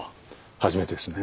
初めてですね。